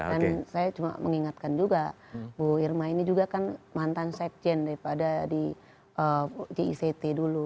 kan saya cuma mengingatkan juga bu irma ini juga kan mantan sekjen daripada di jict dulu